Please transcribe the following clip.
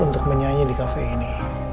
untuk menyanyi di kafe ini